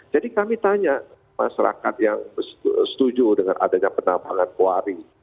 jadi kami tanya masyarakat yang setuju dengan adanya penabangan kuari